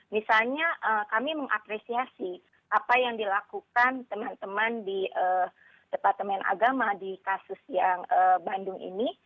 misalnya kami mengapresiasi apa yang dilakukan teman teman di departemen agama di kasus yang bandung ini